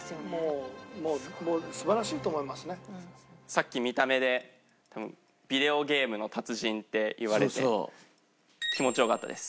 さっき見た目でビデオゲームの達人って言われて気持ち良かったです